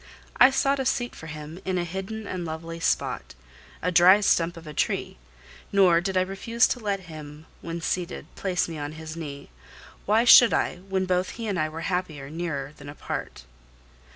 I sought a seat for him in a hidden and lovely spot, a dry stump of a tree; nor did I refuse to let him, when seated, place me on his knee. Why should I, when both he and I were happier near than apart?